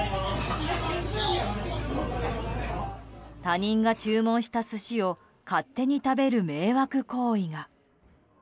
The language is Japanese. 他人が注文した寿司を勝手に食べる迷惑行為が。